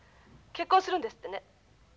結婚するんですってね。